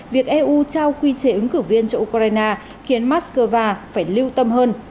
việc eu trao quy chế ứng cử viên cho ukraine khiến moscow phải lưu tâm hơn